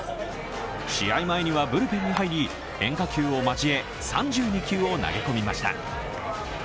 試合前にはブルペンに入り変化球を交え３２球を投げ込みました。